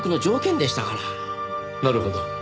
なるほど。